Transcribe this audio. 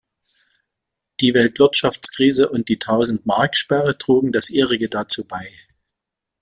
Die Weltwirtschaftskrise und die Tausend-Mark-Sperre trugen das Ihrige dazu bei.